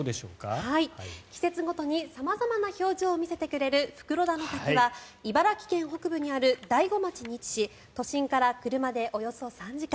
季節ごとに様々な表情を見せてくれる袋田の滝は茨城県北部にある大子町に位置し都心から車でおよそ３時間。